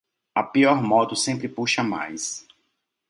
A pior moto sempre puxa mais.